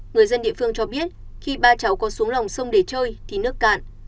người dân địa phương cho biết khi ba cháu có xuống lòng sông để chơi thì nước cạn